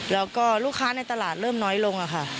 แล้วก็ลูกค้าในตลาดเริ่มน้อยลงค่ะ